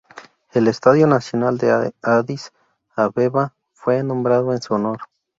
El estadio nacional de Adís Abeba fue nombrado en su honor.